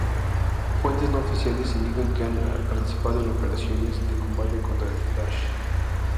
Fuentes no oficiales indican que han participado en operaciones de combate contra el Daesh.